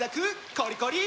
コリコリ！